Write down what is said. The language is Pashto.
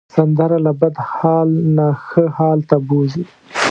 سندره له بد حال نه ښه حال ته بوځي